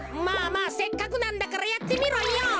まあまあせっかくなんだからやってみろよ。